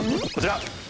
こちら！